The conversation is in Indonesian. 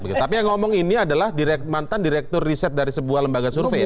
jadi yang saya mau ngomong ini adalah mantan direktur riset dari sebuah lembaga survei ya